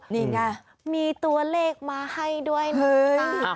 นี่ไงมีตัวเลขมาให้ด้วยเลย